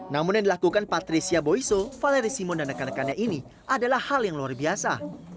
namun yang dilakukan patricia boyso valeri simon dan rekan rekannya ini adalah hal yang luar biasa